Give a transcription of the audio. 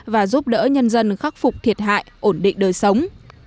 và giúp đỡ nhân dân khắc phục thiệt hại ổn định đời sống